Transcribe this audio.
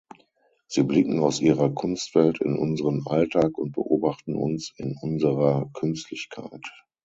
Sie blicken aus ihrer Kunstwelt in unseren Alltag und beobachten uns in unserer Künstlichkeit.